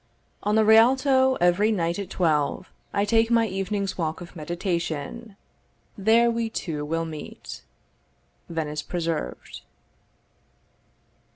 On the Rialto, every night at twelve, I take my evening's walk of meditation: There we two will meet. Venice Preserved.